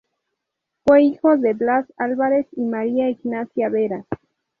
Fue hijo de Blas Álvarez y María Ignacia Vera.